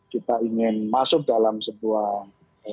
kita ingin masuk dalam sebuah